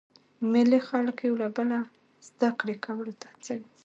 مېلې خلک یو له بله زده کړي کولو ته هڅوي.